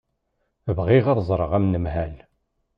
Bɣiɣ ad ẓreɣ anemhal.